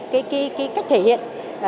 cái cách thể hiện